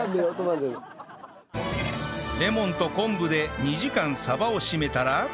レモンと昆布で２時間サバを締めたら